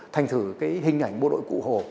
thành thử cái hình ảnh bộ đội cụ hồ